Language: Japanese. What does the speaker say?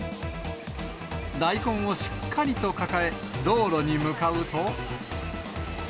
大根をしっかりと抱え、道路に向かうと。